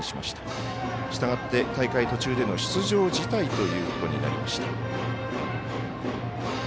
したがって、大会途中での出場辞退ということになりました。